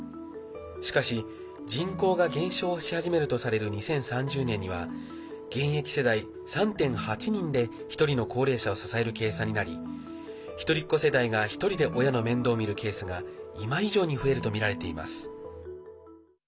しかし、人口が減少し始めるとされる２０３０年には現役世代３．８人で１人の高齢者を支える計算になり一人っ子世代が１人で親の面倒を見るケースが今以上に増えるとみられています。